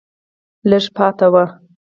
لږه پاتې وه